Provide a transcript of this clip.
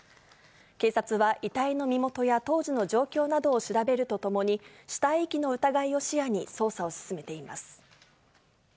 警察は遺体の身元や当時の状況などを調べるとともに、死体遺棄の疑いを視野に、捜査を進めています。